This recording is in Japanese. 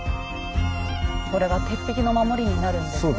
これが鉄壁の守りになるんですね。